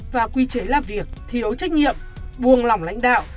và quy chế làm việc thiếu trách nhiệm buồn lòng lãnh đạo